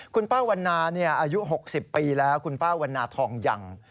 คุณป้าวันนาอายุ๖๐ปีแล้วคุณป้าวันนาทองยัง